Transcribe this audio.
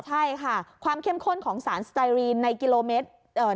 ใช่ค่ะความเข้มข้นของสารสไตรีนในกิโลเมตรเอ่อ